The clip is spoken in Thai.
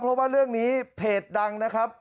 เพราะว่าเรื่องนี้เพจดังนะครับ